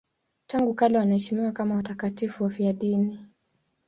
Tangu kale wanaheshimiwa kama watakatifu wafiadini.